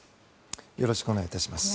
よろしくお願いします。